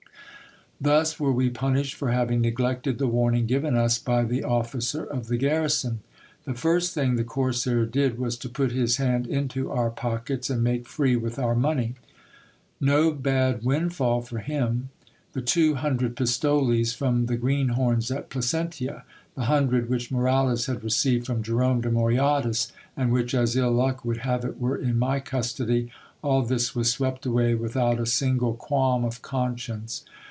Thus were we punished for having neglected the warning given us by the HISTOR Y OF BOX RAPHAEL. 1 83 officer of the garrison. The first thing the corsair did was to put his hand into our pockets and make free with our money. No bad windfall for him ! The two hundred pistoles from the greenhorns at Placentia ; the hundred which Moralez had received from Jerome de Moyadas, and which, as ill luck would have it, were in my custody ; all this was swept away without a single qualm of conscience.